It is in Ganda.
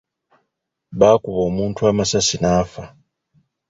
Baakuba omuntu amasasi n'afa..